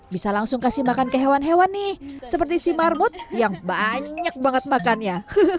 bisa langsung kasih makan ke hewan hewan nih seperti si marmut yang banyak banget makannya